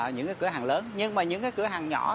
những cửa hàng lớn nhưng mà những cái cửa hàng nhỏ